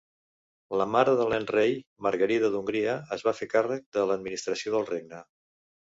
La mare del nen rei, Margarida d'Hongria, es va fer càrrec de l'administració del regne.